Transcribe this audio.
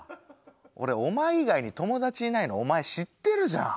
俺お前以外に友達いないのお前知ってるじゃん。